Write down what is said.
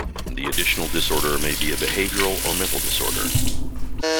The additional disorder may be a behavioral or mental disorder.